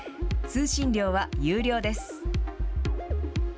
通信料は有料です。